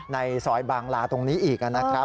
ในซอยบางลาตรงนี้อีกนะครับ